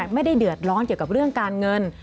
ไม่ได้เดือดร้อนเกี่ยวกับเรื่องการเงิน